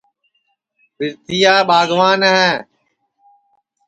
پِرتھِیا ٻاگوان ہے